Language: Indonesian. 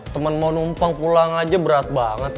temen mau numpang pulang aja berat banget